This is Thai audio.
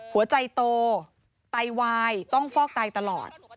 หัวใจโตไตวายต้องฟอกไตตลอด